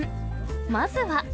まずは。